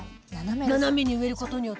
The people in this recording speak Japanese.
斜めに植えることによってですか？